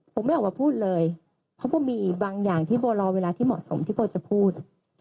ผมไม่ออกมาพูดเลยเพราะโบมีอีกบางอย่างที่โบรอเวลาที่เหมาะสมที่โบจะพูด